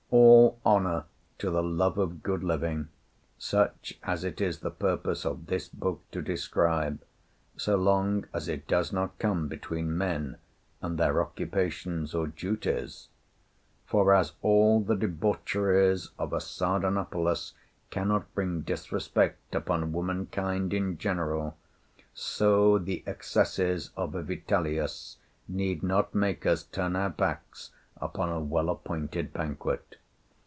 All honor to the love of good living, such as it is the purpose of this book to describe, so long as it does not come between men and their occupations or duties! For, as all the debaucheries of a Sardanapalus cannot bring disrespect upon womankind in general, so the excesses of a Vitellius need not make us turn our backs upon a well appointed banquet.